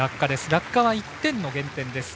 落下は１点の減点です。